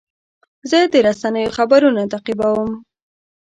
زه د رسنیو خبرونه تعقیبوم.